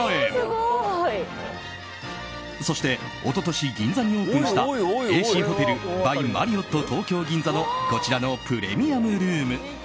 そして、一昨年銀座にオープンしたＡＣホテル・バイ・マリオット東京銀座のこちらのプレミアムルーム。